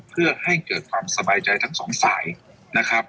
เพื่อให้เกิดความสบายใจทั้งสองฝ่ายนะครับ